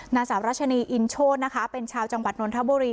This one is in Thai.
นางสาวรัชนีอินโชธนะคะเป็นชาวจังหวัดนทบุรี